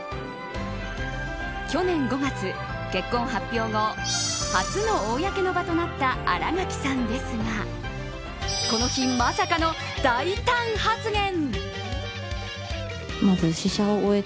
去年５月、結婚発表後初の公の場となった新垣さんですがこの日、まさかの大胆発言。